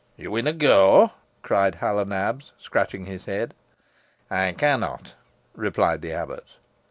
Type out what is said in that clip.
"Yo winnaw go?" cried Hal o'Nabs, scratching his head. "I cannot," replied the abbot.